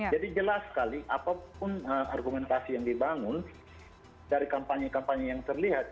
jadi jelas sekali apapun argumentasi yang dibangun dari kampanye kampanye yang terlihat